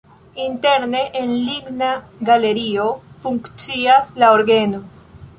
Interne en ligna galerio funkcias la orgeno.